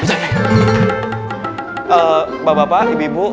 eee bapak pak ibu ibu